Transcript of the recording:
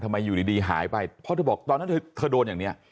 อยู่ดีหายไปเพราะเธอบอกตอนนั้นเธอโดนอย่างนี้